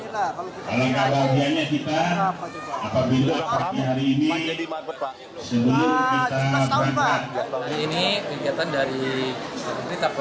pemprov dki jepang apabila pagi hari ini seluruh kita tampak